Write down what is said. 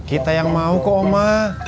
kita yang mau kok oma